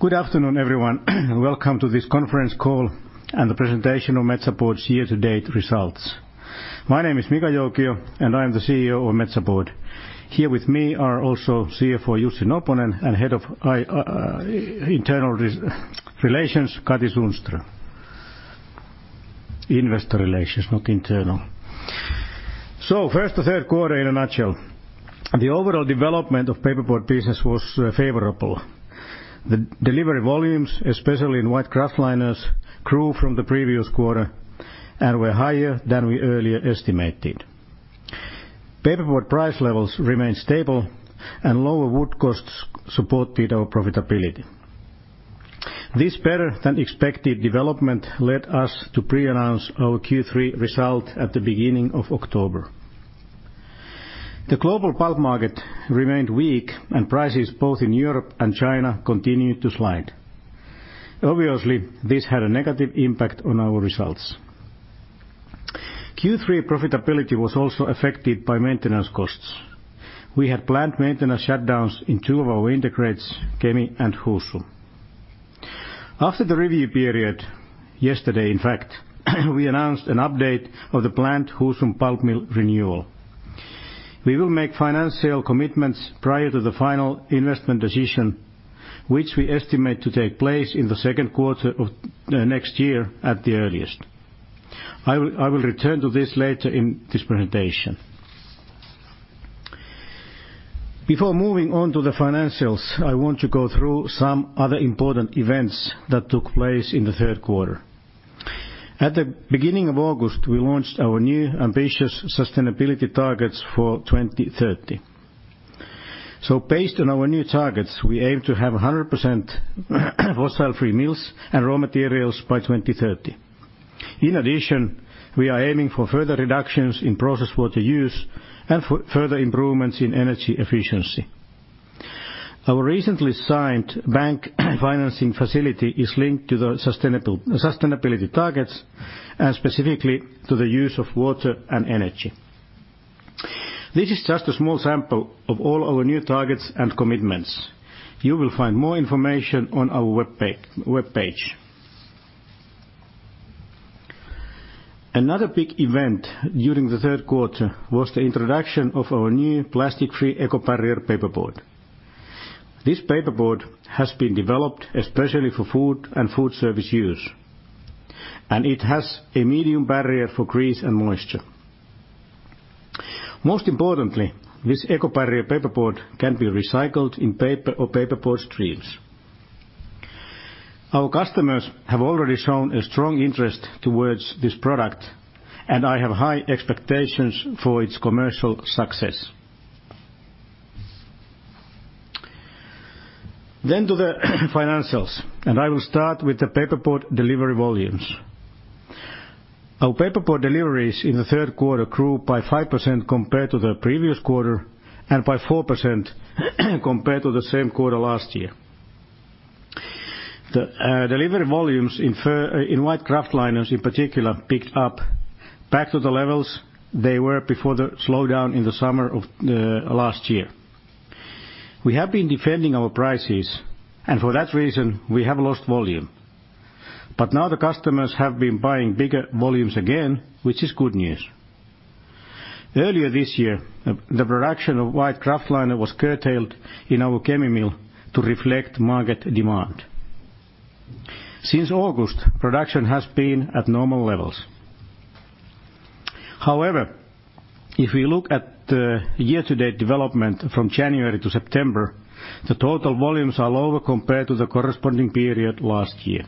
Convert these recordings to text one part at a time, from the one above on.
Good afternoon, everyone, and welcome to this conference call and the presentation of Metsä Board's year-to-date results. My name is Mika Joukio, and I am the CEO of Metsä Board. Here with me are also CFO Jussi Noponen and Head of Internal Relations, Katri Sundström. Investor relations, not internal. So, first, the third quarter in a nutshell. The overall development of paperboard business was favorable. The delivery volumes, especially in white kraft liners, grew from the previous quarter and were higher than we earlier estimated. Paperboard price levels remained stable, and lower wood costs supported our profitability. This better-than-expected development led us to pre-announce our Q3 result at the beginning of October. The global pulp market remained weak, and prices both in Europe and China continued to slide. Obviously, this had a negative impact on our results. Q3 profitability was also affected by maintenance costs. We had planned maintenance shutdowns in two of our integrated mills, Kemi and Husum. After the review period, yesterday in fact, we announced an update of the planned Husum pulp mill renewal. We will make financial commitments prior to the final investment decision, which we estimate to take place in the second quarter of next year at the earliest. I will return to this later in this presentation. Before moving on to the financials, I want to go through some other important events that took place in the third quarter. At the beginning of August, we launched our new ambitious sustainability targets for 2030. So, based on our new targets, we aim to have 100% fossil-free mills and raw materials by 2030. In addition, we are aiming for further reductions in process water use and further improvements in energy efficiency. Our recently signed bank financing facility is linked to the sustainability targets and specifically to the use of water and energy. This is just a small sample of all our new targets and commitments. You will find more information on our webpage. Another big event during the third quarter was the introduction of our new plastic-free Eco-barrier paperboard. This paperboard has been developed especially for food and food service use, and it has a medium barrier for grease and moisture. Most importantly, this Eco-barrier paperboard can be recycled in paper or paperboard streams. Our customers have already shown a strong interest towards this product, and I have high expectations for its commercial success. Then to the financials, and I will start with the paperboard delivery volumes. Our paperboard deliveries in the third quarter grew by 5% compared to the previous quarter and by 4% compared to the same quarter last year. Delivery volumes in white kraft liners, in particular, picked up back to the levels they were before the slowdown in the summer of last year. We have been defending our prices, and for that reason, we have lost volume. But now the customers have been buying bigger volumes again, which is good news. Earlier this year, the production of white kraft liner was curtailed in our Kemi mill to reflect market demand. Since August, production has been at normal levels. However, if we look at the year-to-date development from January to September, the total volumes are lower compared to the corresponding period last year.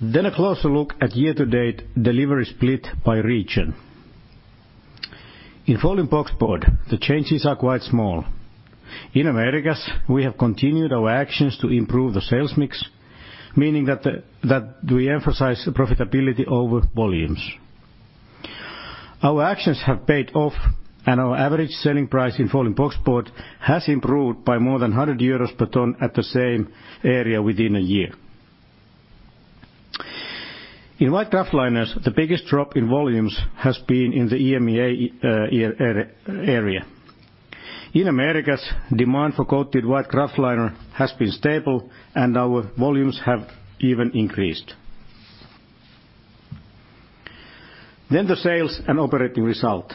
Then a closer look at year-to-date delivery split by region. In folding boxboard, the changes are quite small. In Americas, we have continued our actions to improve the sales mix, meaning that we emphasize profitability over volumes. Our actions have paid off, and our average selling price in folding boxboard has improved by more than 100 euros per ton at the same area within a year. In white kraft liners, the biggest drop in volumes has been in the EMEA area. In Americas, demand for coated white kraft liner has been stable, and our volumes have even increased. Then the sales and operating result.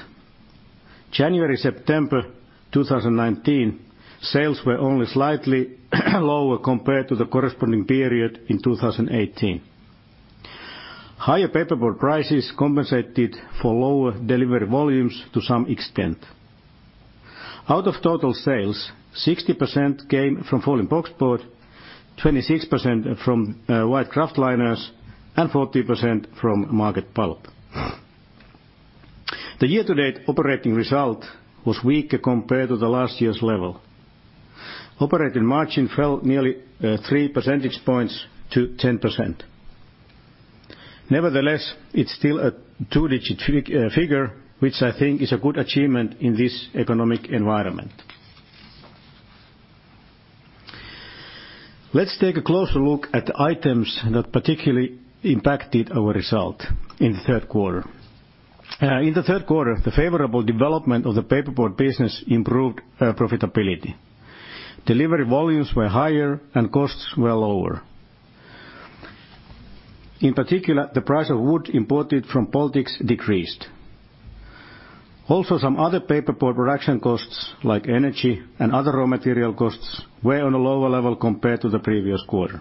January-September 2019 sales were only slightly lower compared to the corresponding period in 2018. Higher paperboard prices compensated for lower delivery volumes to some extent. Out of total sales, 60% came from folding boxboard, 26% from white kraft liners, and 40% from market pulp. The year-to-date operating result was weaker compared to the last year's level. Operating margin fell nearly 3 percentage points to 10%. Nevertheless, it's still a two-digit figure, which I think is a good achievement in this economic environment. Let's take a closer look at the items that particularly impacted our result in the third quarter. In the third quarter, the favorable development of the paperboard business improved profitability. Delivery volumes were higher and costs were lower. In particular, the price of wood imported from Baltics decreased. Also, some other paperboard production costs, like energy and other raw material costs, were on a lower level compared to the previous quarter.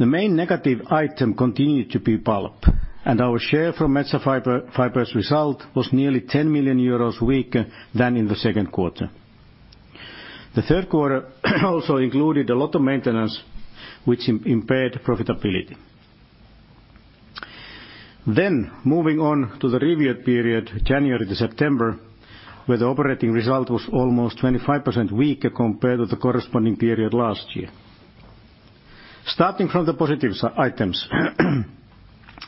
The main negative item continued to be pulp, and our share from Metsä Fibre's result was nearly 10 million euros weaker than in the second quarter. The third quarter also included a lot of maintenance, which impaired profitability. Then, moving on to the reviewed period, January to September, where the operating result was almost 25% weaker compared to the corresponding period last year. Starting from the positive items,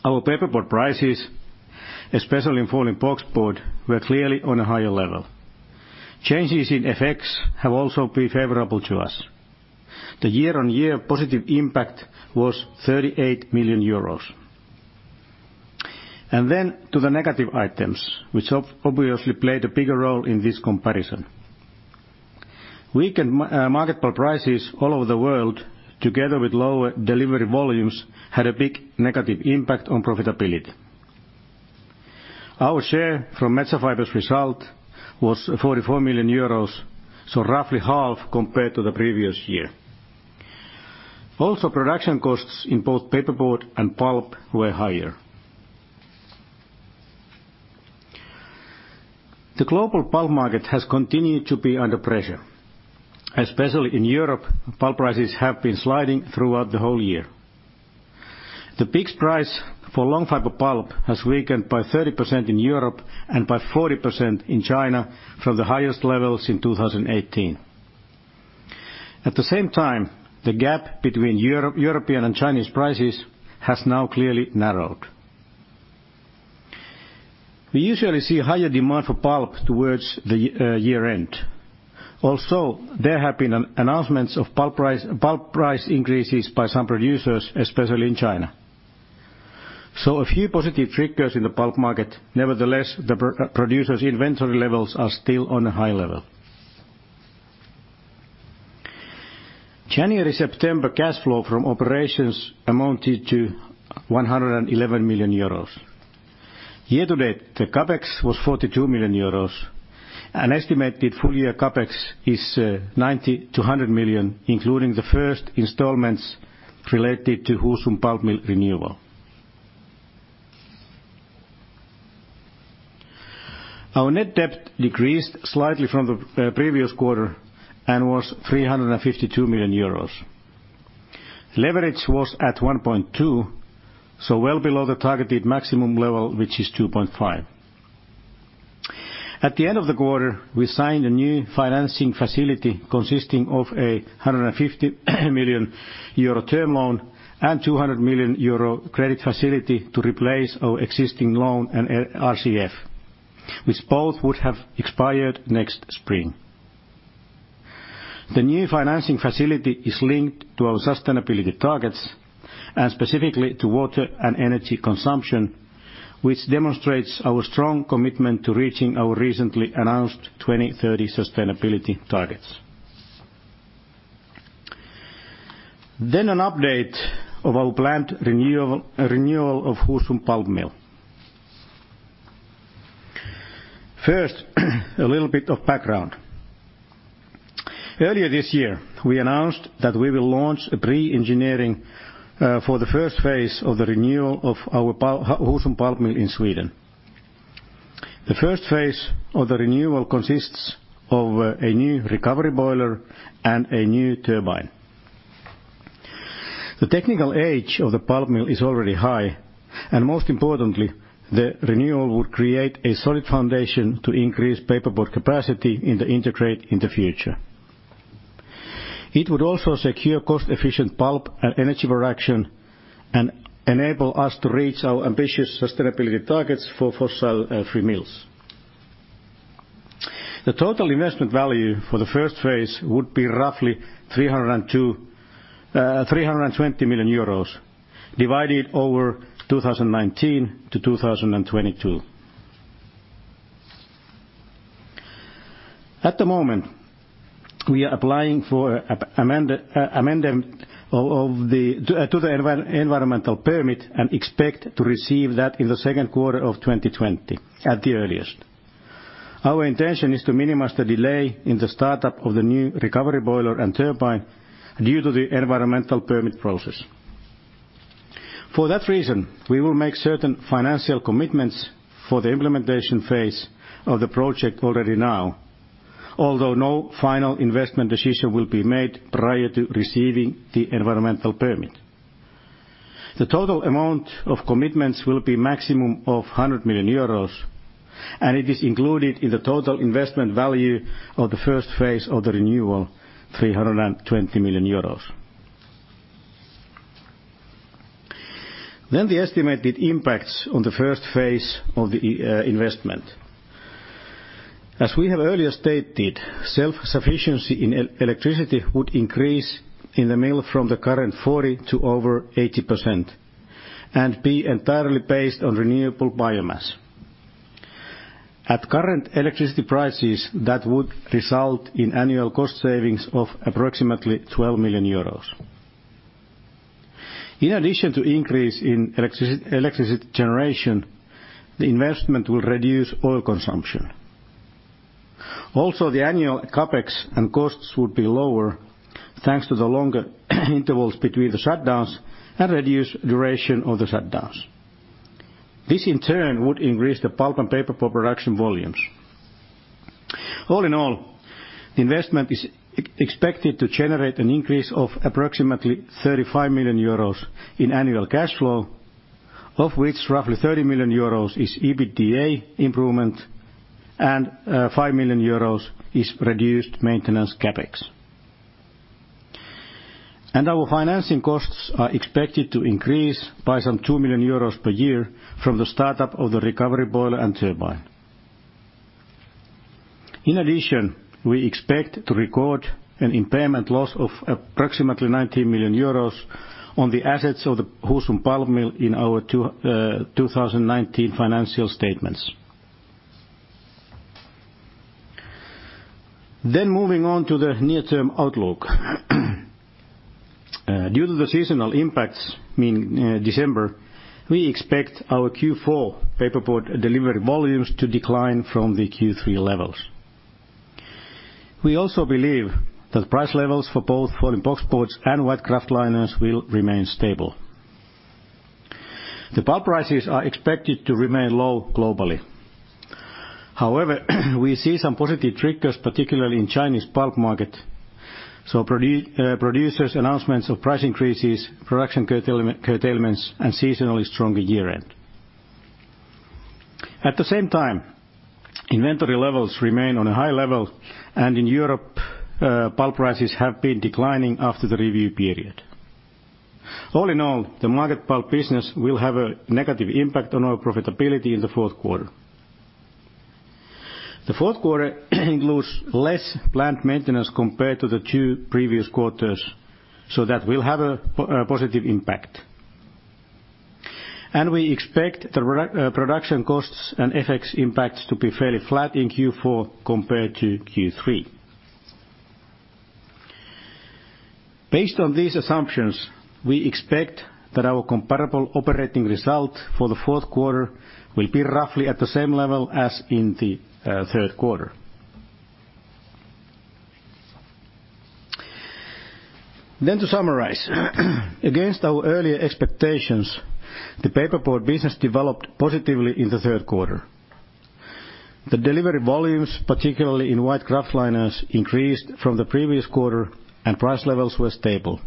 our paperboard prices, especially in folding boxboard, were clearly on a higher level. Changes in FX have also been favorable to us. The year-on-year positive impact was 38 million euros. And then to the negative items, which obviously played a bigger role in this comparison. Weakened market prices all over the world, together with lower delivery volumes, had a big negative impact on profitability. Our share from Metsä Fibre's result was 44 million euros, so roughly half compared to the previous year. Also, production costs in both paperboard and pulp were higher. The global pulp market has continued to be under pressure. Especially in Europe, pulp prices have been sliding throughout the whole year. The fixed price for long fiber pulp has weakened by 30% in Europe and by 40% in China from the highest levels in 2018. At the same time, the gap between European and Chinese prices has now clearly narrowed. We usually see higher demand for pulp towards the year-end. Also, there have been announcements of pulp price increases by some producers, especially in China. So, a few positive triggers in the pulp market. Nevertheless, the producers' inventory levels are still on a high level. January-September cash flow from operations amounted to 111 million euros. Year-to-date, the CapEx was 42 million euros. An estimated full-year CapEx is 90-100 million EUR, including the first installments related to Husum pulp mill renewal. Our net debt decreased slightly from the previous quarter and was 352 million euros. Leverage was at 1.2, so well below the targeted maximum level, which is 2.5. At the end of the quarter, we signed a new financing facility consisting of a €150 million euro term loan and €200 million euro credit facility to replace our existing loan and RCF, which both would have expired next spring. The new financing facility is linked to our sustainability targets and specifically to water and energy consumption, which demonstrates our strong commitment to reaching our recently announced 2030 sustainability targets. Then, an update of our planned renewal of Husum pulp mill. First, a little bit of background. Earlier this year, we announced that we will launch a pre-engineering for the first phase of the renewal of our Husum pulp mill in Sweden. The first phase of the renewal consists of a new recovery boiler and a new turbine. The technical age of the pulp mill is already high, and most importantly, the renewal would create a solid foundation to increase paperboard capacity in the integrated in the future. It would also secure cost-efficient pulp and energy production and enable us to reach our ambitious sustainability targets for fossil-free mills. The total investment value for the first phase would be roughly 320 million euros divided over 2019 to 2022. At the moment, we are applying for an amendment to the environmental permit and expect to receive that in the second quarter of 2020 at the earliest. Our intention is to minimize the delay in the startup of the new recovery boiler and turbine due to the environmental permit process. For that reason, we will make certain financial commitments for the implementation phase of the project already now, although no final investment decision will be made prior to receiving the environmental permit. The total amount of commitments will be a maximum of 100 million euros, and it is included in the total investment value of the first phase of the renewal, 320 million euros. Then the estimated impacts on the first phase of the investment. As we have earlier stated, self-sufficiency in electricity would increase in the mill from the current 40% to over 80% and be entirely based on renewable biomass. At current electricity prices, that would result in annual cost savings of approximately 12 million euros. In addition to increase in electricity generation, the investment will reduce oil consumption. Also, the annual CapEx and costs would be lower thanks to the longer intervals between the shutdowns and reduce duration of the shutdowns. This, in turn, would increase the pulp and paper production volumes. All in all, the investment is expected to generate an increase of approximately 35 million euros in annual cash flow, of which roughly 30 million euros is EBITDA improvement and 5 million euros is reduced maintenance CapEx. And our financing costs are expected to increase by some 2 million euros per year from the startup of the recovery boiler and turbine. In addition, we expect to record an impairment loss of approximately 19 million euros on the assets of the Husum pulp mill in our 2019 financial statements. Then moving on to the near-term outlook. Due to the seasonal impacts in December, we expect our Q4 paperboard delivery volumes to decline from the Q3 levels. We also believe that price levels for both folding boxboards and white kraftliners will remain stable. The pulp prices are expected to remain low globally. However, we see some positive triggers, particularly in Chinese pulp market, so producers' announcements of price increases, production curtailments, and seasonally stronger year-end. At the same time, inventory levels remain on a high level, and in Europe, pulp prices have been declining after the review period. All in all, the market pulp business will have a negative impact on our profitability in the fourth quarter. The fourth quarter includes less planned maintenance compared to the two previous quarters, so that will have a positive impact. And we expect the production costs and FX impacts to be fairly flat in Q4 compared to Q3. Based on these assumptions, we expect that our comparable operating result for the fourth quarter will be roughly at the same level as in the third quarter. Then to summarize, against our earlier expectations, the paperboard business developed positively in the third quarter. The delivery volumes, particularly in white kraft liners, increased from the previous quarter, and price levels were stable.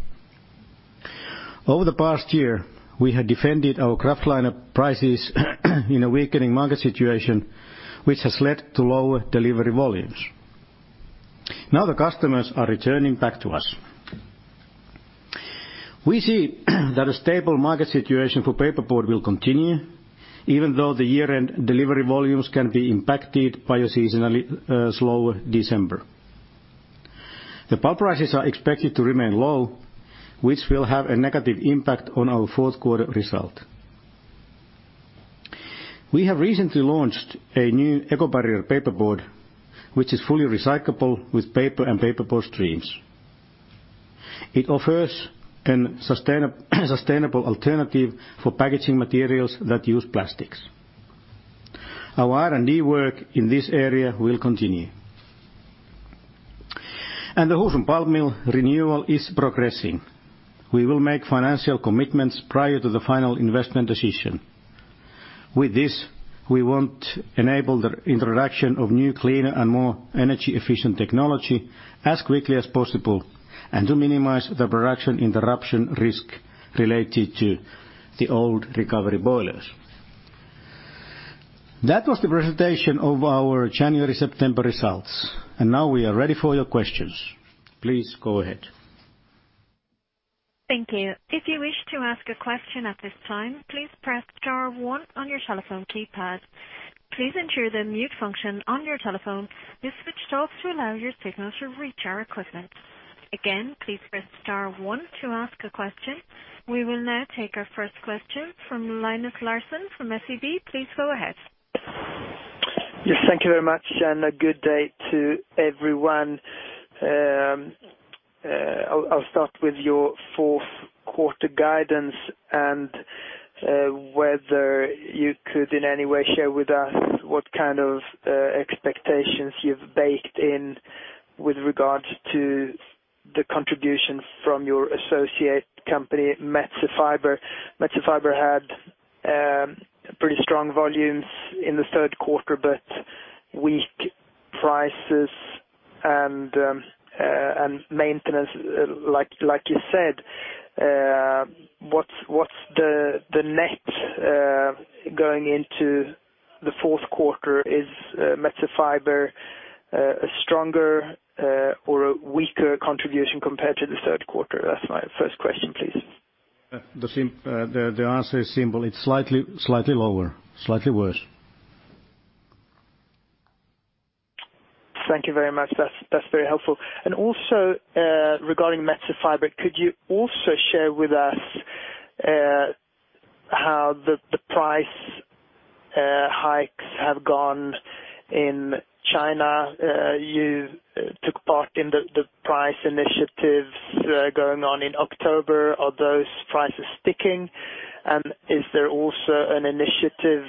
Over the past year, we have defended our kraft liner prices in a weakening market situation, which has led to lower delivery volumes. Now the customers are returning back to us. We see that a stable market situation for paperboard will continue, even though the year-end delivery volumes can be impacted by a seasonally slower December. The pulp prices are expected to remain low, which will have a negative impact on our fourth quarter result. We have recently launched a new Eco-barrier paperboard, which is fully recyclable with paper and paperboard streams. It offers a sustainable alternative for packaging materials that use plastics. Our R&D work in this area will continue, and the Husum pulp mill renewal is progressing. We will make financial commitments prior to the final investment decision. With this, we want to enable the introduction of new, cleaner, and more energy-efficient technology as quickly as possible and to minimize the production interruption risk related to the old recovery boilers. That was the presentation of our January-September results, and now we are ready for your questions. Please go ahead. Thank you. If you wish to ask a question at this time, please press star one on your telephone keypad. Please ensure the mute function on your telephone is switched off to allow your signal to reach our equipment. Again, please press star one to ask a question. We will now take our first question from Linus Larsson from SEB. Please go ahead. Yes, thank you very much, and a good day to everyone. I'll start with your fourth quarter guidance and whether you could in any way share with us what kind of expectations you've baked in with regards to the contribution from your associate company, Metsä Fibre. Metsä Fibre had pretty strong volumes in the third quarter, but weak prices and maintenance, like you said. What's the net going into the fourth quarter? Is Metsä Fibre a stronger or a weaker contribution compared to the third quarter? That's my first question, please. The answer is simple. It's slightly lower, slightly worse. Thank you very much. That's very helpful. And also regarding Metsä Fibre, could you also share with us how the price hikes have gone in China? You took part in the price initiatives going on in October. Are those prices sticking? And is there also an initiative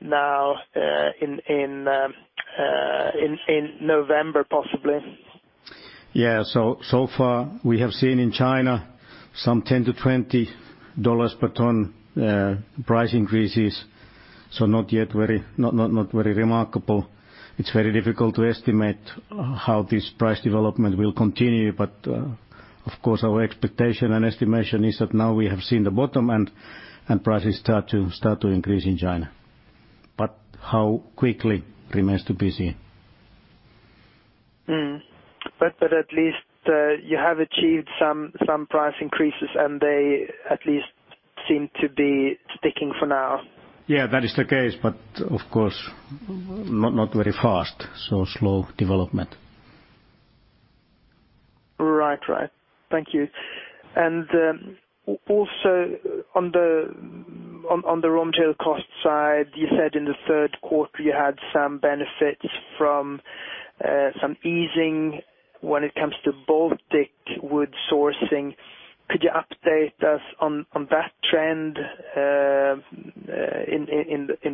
now in November, possibly? Yeah, so far we have seen in China some $10-$20 per ton price increases, so not yet very remarkable. It's very difficult to estimate how this price development will continue, but of course our expectation and estimation is that now we have seen the bottom and prices start to increase in China. But how quickly remains to be seen. But at least you have achieved some price increases, and they at least seem to be sticking for now. Yeah, that is the case, but of course not very fast, so slow development. Right, right. Thank you. And also on the raw material cost side, you said in the third quarter you had some benefits from some easing when it comes to Baltics wood sourcing. Could you update us on that trend in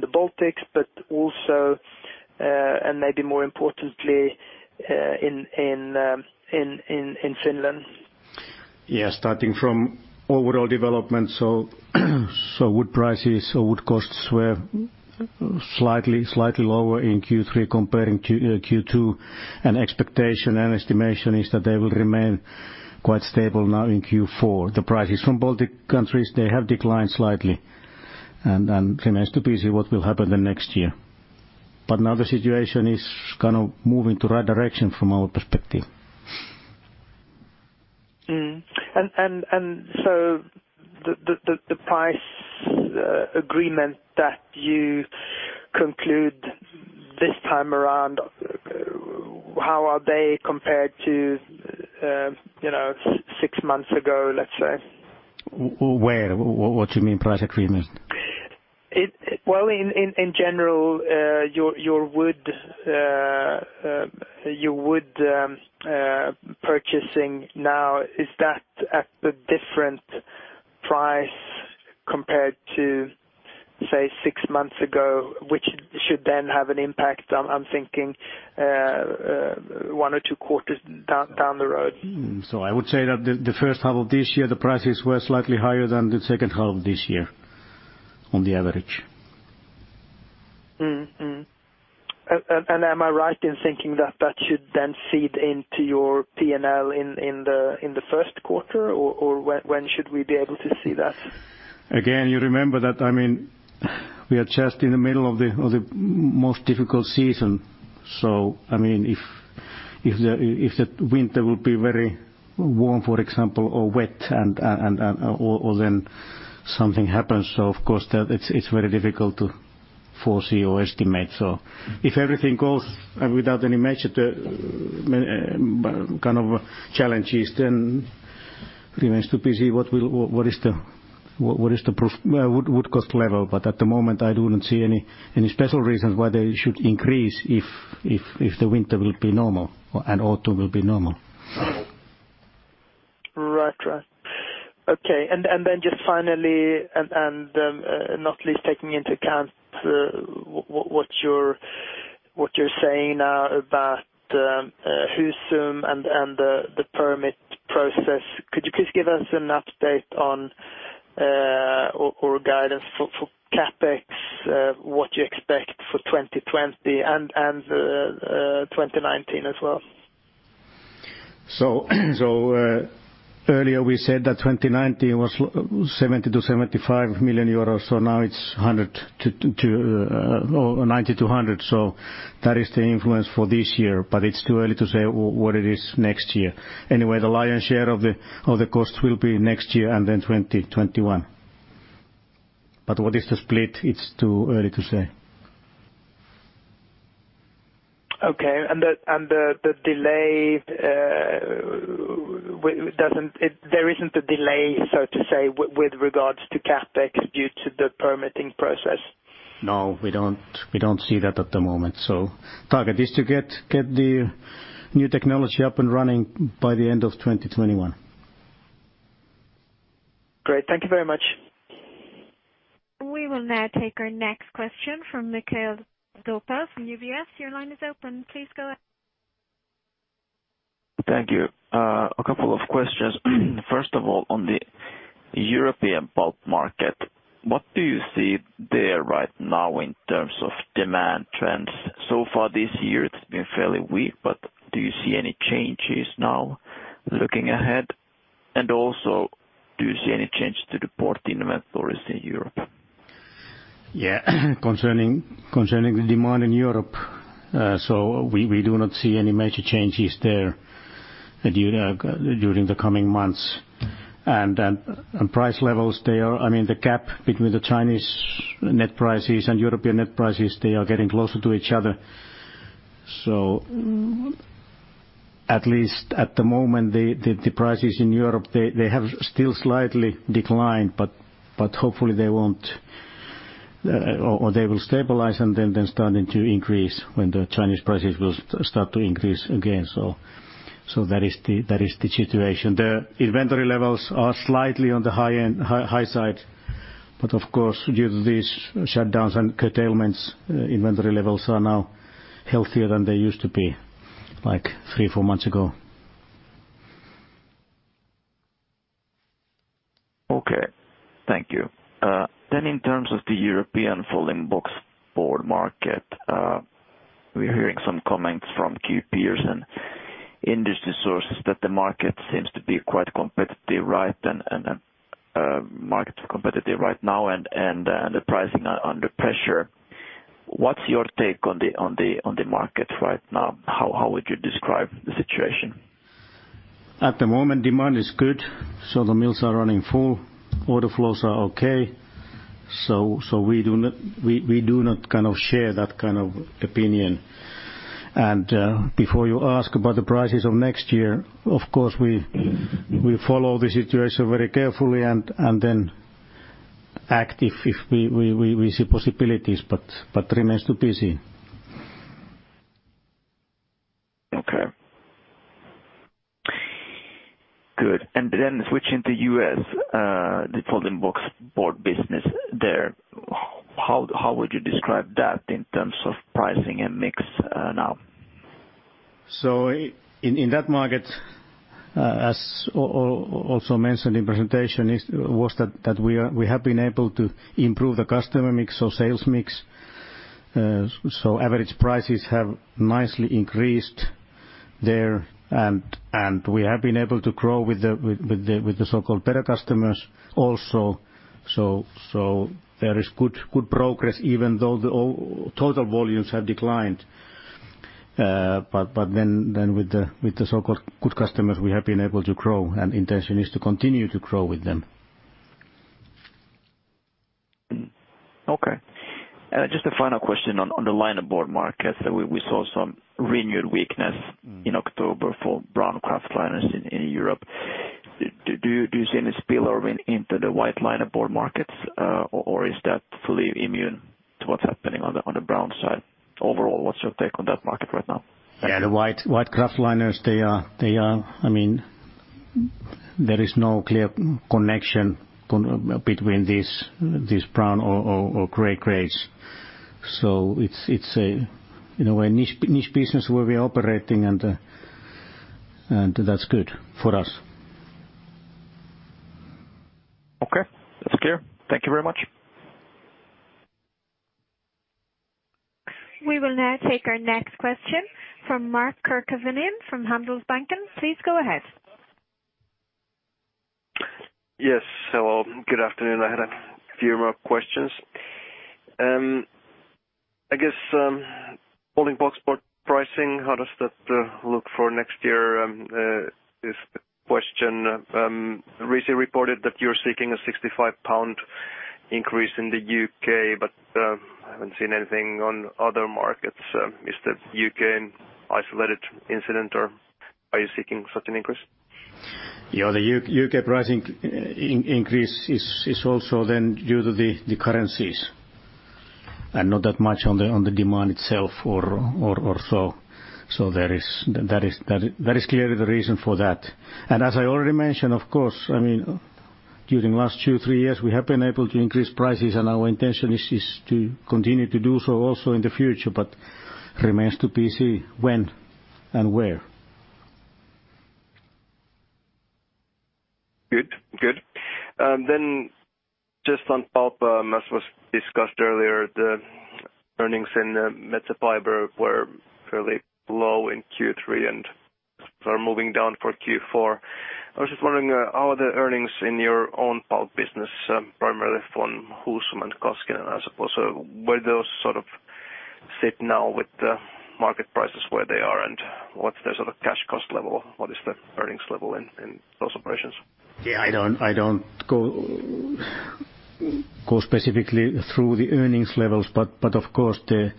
the Baltics, but also, and maybe more importantly, in Finland? Yeah, starting from overall development, so wood prices or wood costs were slightly lower in Q3 comparing to Q2, and expectation and estimation is that they will remain quite stable now in Q4. The prices from Baltic countries, they have declined slightly, and remains to be seen what will happen the next year. But now the situation is kind of moving to the right direction from our perspective. And so the price agreement that you conclude this time around, how are they compared to six months ago, let's say? Where? What do you mean price agreement? In general, your wood purchasing now is at a different price compared to, say, six months ago, which should then have an impact, I'm thinking, one or two quarters down the road? So I would say that the first half of this year, the prices were slightly higher than the second half of this year on the average. And am I right in thinking that that should then feed into your P&L in the first quarter, or when should we be able to see that? Again, you remember that I mean, we are just in the middle of the most difficult season. So I mean, if the winter will be very warm, for example, or wet, or then something happens, so of course it's very difficult to foresee or estimate. So if everything goes without any major kind of challenges, then remains to be seen what is the wood cost level. But at the moment, I do not see any special reasons why they should increase if the winter will be normal and autumn will be normal. Right, right. Okay. And then just finally, and not least taking into account what you're saying now about Husum and the permit process, could you please give us an update on or guidance for CapEx, what you expect for 2020 and 2019 as well? So earlier we said that 2019 was 70-75 million euros, so now it's 90-100. So that is the influence for this year, but it's too early to say what it is next year. Anyway, the lion's share of the cost will be next year and then 2021. But what is the split? It's too early to say. Okay. And the delay, there isn't a delay, so to say, with regards to CapEx due to the permitting process? No, we don't see that at the moment. So target is to get the new technology up and running by the end of 2021. Great. Thank you very much. We will now take our next question from Mikael Doepel from UBS. Your line is open. Please go ahead. Thank you. A couple of questions. First of all, on the European pulp market, what do you see there right now in terms of demand trends? So far this year, it's been fairly weak, but do you see any changes now looking ahead? And also, do you see any changes to the port inventories in Europe? Yeah, concerning the demand in Europe, so we do not see any major changes there during the coming months. Price levels, they are. I mean, the gap between the Chinese net prices and European net prices, they are getting closer to each other. So at least at the moment, the prices in Europe, they have still slightly declined, but hopefully they won't or they will stabilize and then starting to increase when the Chinese prices will start to increase again. So that is the situation. The inventory levels are slightly on the high side, but of course, due to these shutdowns and curtailments, inventory levels are now healthier than they used to be like three, four months ago. Okay. Thank you. In terms of the European folding boxboard market, we are hearing some comments from converters and industry sources that the market seems to be quite competitive, right? The market is competitive right now and the pricing are under pressure. What's your take on the market right now? How would you describe the situation? At the moment, demand is good, so the mills are running full, order flows are okay. So we do not kind of share that kind of opinion. And before you ask about the prices of next year, of course, we follow the situation very carefully and then act if we see possibilities, but remains to be seen. Okay. Good. And then switching to U.S., the folding boxboard business there, how would you describe that in terms of pricing and mix now? So in that market, as also mentioned in presentation, was that we have been able to improve the customer mix or sales mix. So average prices have nicely increased there, and we have been able to grow with the so-called better customers also. So there is good progress even though the total volumes have declined. But then with the so-called good customers, we have been able to grow, and intention is to continue to grow with them. Okay. Just a final question on the liner board market. We saw some renewed weakness in October for brown kraft liners in Europe. Do you see any spillover into the white liner board markets, or is that fully immune to what's happening on the brown side? Overall, what's your take on that market right now? Yeah, the white kraft liners, I mean, there is no clear connection between these brown or gray grades. So it's in a way a niche business where we are operating, and that's good for us. Okay. That's clear. Thank you very much. We will now take our next question from Mark Kirkovanian from Handelsbanken. Please go ahead. Yes. Hello. Good afternoon. I had a few more questions. I guess folding boxboard pricing, how does that look for next year is the question. RISI reported that you're seeking a 65 pound increase in the UK, but I haven't seen anything on other markets. Is the UK an isolated incident, or are you seeking such an increase? Yeah, the UK pricing increase is also then due to the currencies and not that much on the demand itself or so. So that is clearly the reason for that. And as I already mentioned, of course, I mean, during the last two, three years, we have been able to increase prices, and our intention is to continue to do so also in the future, but remains to be seen when and where. Good. Good. Then just on pulp, as was discussed earlier, the earnings in Metsä Fibre were fairly low in Q3 and are moving down for Q4. I was just wondering how are the earnings in your own pulp business, primarily from Husum and Kaskinen as a whole? So where do those sort of sit now with the market prices where they are, and what's the sort of cash cost level? What is the earnings level in those operations? Yeah, I don't go specifically through the earnings levels, but of course, the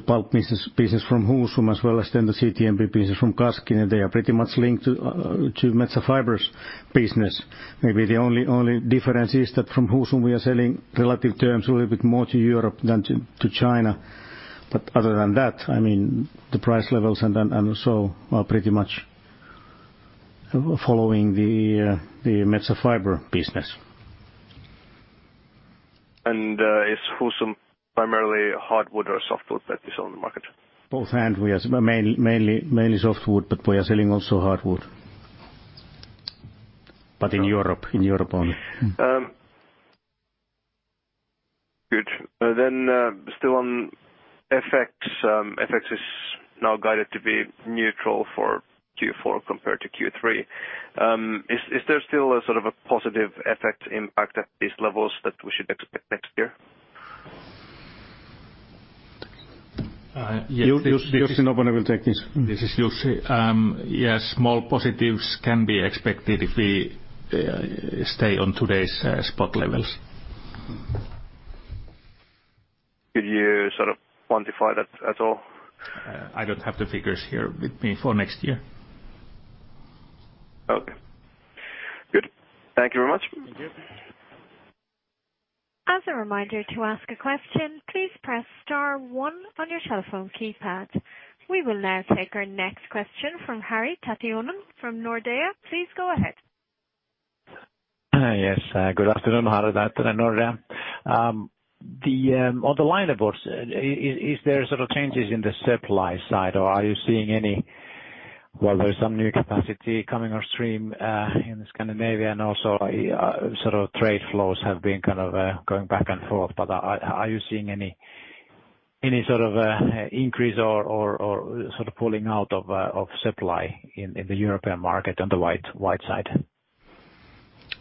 pulp business from Husum as well as then the CTMP business from Kaskinen, they are pretty much linked to Metsä Fibre's business. Maybe the only difference is that from Husum, we are selling relative terms a little bit more to Europe than to China. But other than that, I mean, the price levels and so are pretty much following the Metsä Fibre business. And is Husum primarily hardwood or softwood that is on the market? Both. We are mainly softwood, but we are selling also hardwood. But in Europe only. Good. Then still on FX, FX is now guided to be neutral for Q4 compared to Q3. Is there still a sort of a positive FX impact at these levels that we should expect next year? Yes, this is no problem with the exchange. This is Husum. Yeah, small positives can be expected if we stay on today's spot levels. Could you sort of quantify that at all? I don't have the figures here with me for next year. Okay. Good. Thank you very much. Thank you. As a reminder to ask a question, please press star one on your telephone keypad. We will now take our next question from Harri Taittonen from Nordea. Please go ahead. Yes. Good afternoon, Harri Taittonen, Nordea. On the liner boards, is there sort of changes in the supply side, or are you seeing any? Well, there's some new capacity coming upstream in Scandinavia, and also sort of trade flows have been kind of going back and forth. But are you seeing any sort of increase or sort of pulling out of supply in the European market on the white side?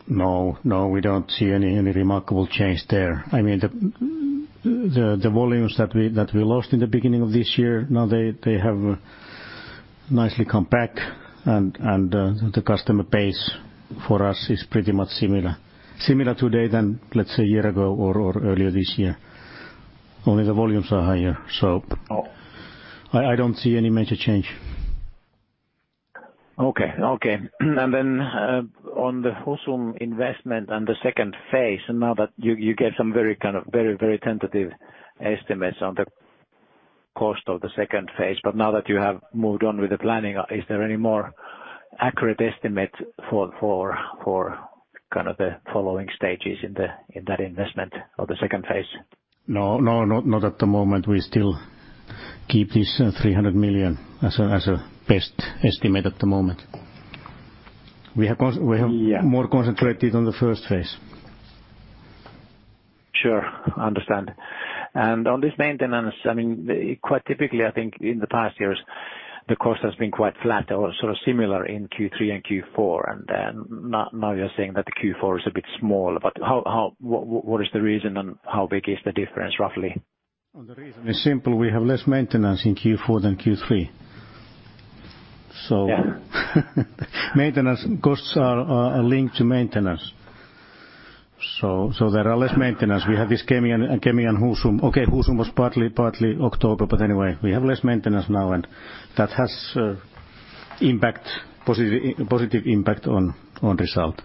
No, no, we don't see any remarkable change there. I mean, the volumes that we lost in the beginning of this year, now they have nicely come back, and the customer base for us is pretty much similar today than, let's say, a year ago or earlier this year. Only the volumes are higher. So I don't see any major change. Okay. Okay. Then on the Husum investment and the second phase, now that you get some very kind of very, very tentative estimates on the cost of the second phase, but now that you have moved on with the planning, is there any more accurate estimate for kind of the following stages in that investment of the second phase? No, no, not at the moment. We still keep this €300 million as a best estimate at the moment. We have more concentrated on the first phase. Sure. Understand. And on this maintenance, I mean, quite typically, I think in the past years, the cost has been quite flat or sort of similar in Q3 and Q4. And now you're saying that the Q4 is a bit smaller. But what is the reason and how big is the difference roughly? The reason is simple. We have less maintenance in Q4 than Q3. Maintenance costs are linked to maintenance. So there are less maintenance. We have this CTMP and Husum. Okay, Husum was partly October, but anyway, we have less maintenance now, and that has positive impact on result.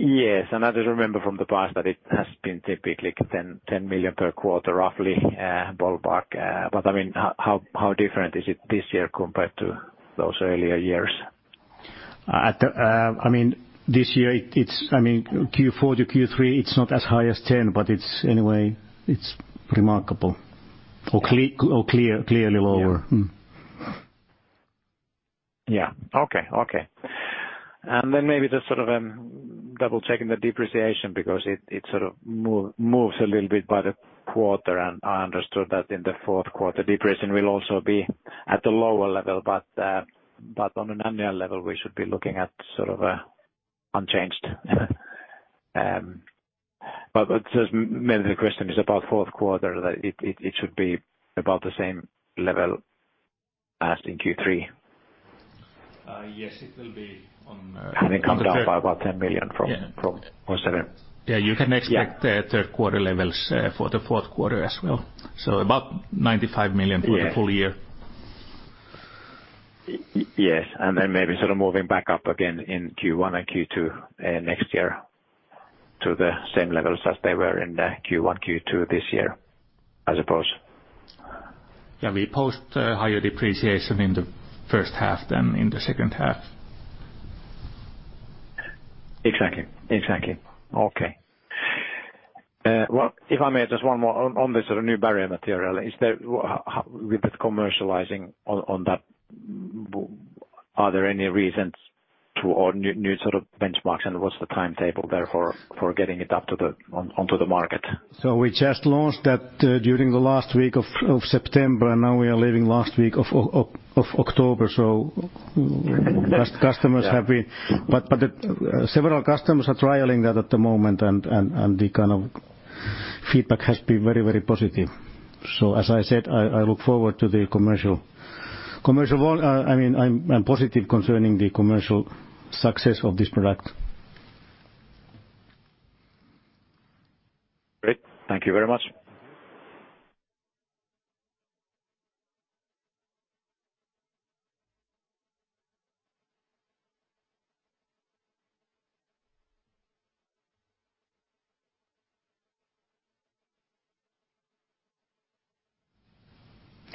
Yes. And I just remember from the past that it has been typically €10 million per quarter, roughly, ballpark. But I mean, how different is it this year compared to those earlier years? I mean, this year, I mean, Q4 to Q3, it's not as high as 10, but anyway, it's remarkable or clearly lower. Yeah. Okay. Okay. And then maybe just sort of double-checking the depreciation because it sort of moves a little bit by the quarter. And I understood that in the fourth quarter, depreciation will also be at the lower level. But on an annual level, we should be looking at sort of an unchanged. But the question is about fourth quarter, that it should be about the same level as in Q3. Yes, it will be on. And it comes down by about 10 million from what's there. Yeah. You can expect third quarter levels for the fourth quarter as well. So about 95 million for the full year. Yes. And then maybe sort of moving back up again in Q1 and Q2 next year to the same levels as they were in Q1, Q2 this year, I suppose. Yeah. We post higher depreciation in the first half than in the second half. Exactly. Exactly. Okay. Well, if I may, just one more on this sort of new barrier material. With the commercializing on that, are there any reasons to new sort of benchmarks, and what's the timetable there for getting it up onto the market? So we just launched that during the last week of September, and now we are in the last week of October. So customers have been, but several customers are trialing that at the moment, and the kind of feedback has been very, very positive. So as I said, I look forward to the commercial. I mean, I'm positive concerning the commercial success of this product. Great. Thank you very much.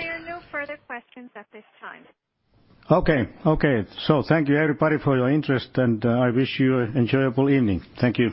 There are no further questions at this time. Okay. Okay. So thank you, everybody, for your interest, and I wish you an enjoyable evening. Thank you.